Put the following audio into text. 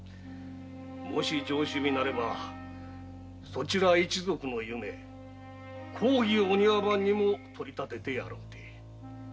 もし上首尾なればそちら一族の夢公儀お庭番にも取り立ててやろうて。